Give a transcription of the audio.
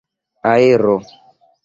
aero